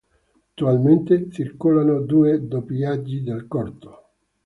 Attualmente circolano due doppiaggi del corto.